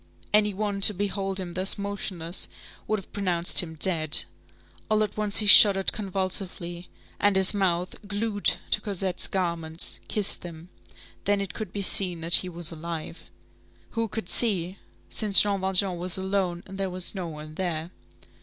Any one to behold him thus motionless would have pronounced him dead; all at once he shuddered convulsively, and his mouth, glued to Cosette's garments, kissed them; then it could be seen that he was alive. Who could see? Since Jean Valjean was alone, and there was no one there.